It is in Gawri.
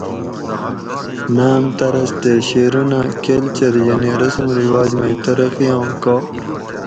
ناۤم طرز تے شعرونہ کلچر یعنی رسم رواۤج مئ ترقی آں کار